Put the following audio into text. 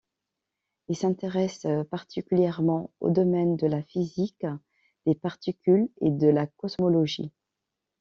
Il s'intéresse particulièrement aux domaines de la physique des particules et de la cosmologie.